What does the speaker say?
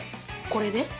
これで？